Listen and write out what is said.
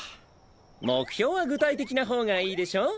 目標は具体的な方がいいでしょ。